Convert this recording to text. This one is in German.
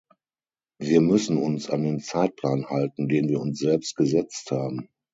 Wir müssen uns an den Zeitplan halten, den wir uns selbst gesetzt haben.